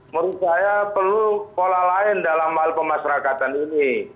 menurut saya perlu pola lain dalam hal pemasrakatan ini